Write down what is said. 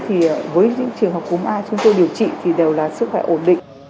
thì với những trường hợp cúm a chúng tôi điều trị thì đều là sức khỏe ổn định